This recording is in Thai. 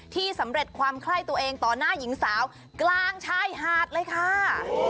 สำเร็จความไข้ตัวเองต่อหน้าหญิงสาวกลางชายหาดเลยค่ะ